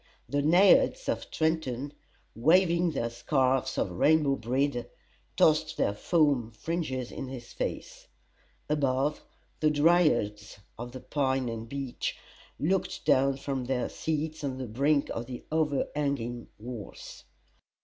The naiads of Trenton, waving their scarfs of rainbow brede, tossed their foam fringes in his face: above, the dryads of the pine and beech looked down from their seats on the brink of the overhanging walls.